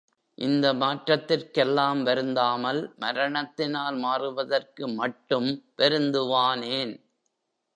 இந்த மாற்றத்திற்கெல்லாம் வருந்தாமல், மரணத்தினால் மாறுவதற்கு மட்டும் வருந்துவானேன்?